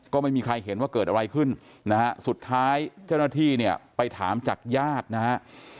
ก็ไม่มีใครเห็นว่าเกิดอะไรขึ้นนะฮะสุดท้ายเจ้าหน้าที่เนี่ยไปถามจากญาตินะฮะ